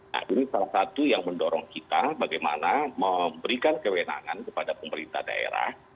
nah ini salah satu yang mendorong kita bagaimana memberikan kewenangan kepada pemerintah daerah